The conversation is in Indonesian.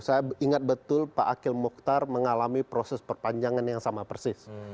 saya ingat betul pak akhil mukhtar mengalami proses perpanjangan yang sama persis